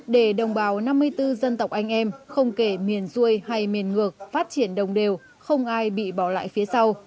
để đồng bào năm mươi bốn dân tộc anh em không kể miền xuôi hay miền ngược phát triển đồng đều không ai bị bỏ lại phía sau